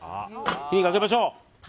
火にかけましょう。